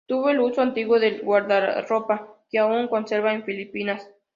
Tuvo el uso antiguo de guardarropa que aún conserva en Filipinas.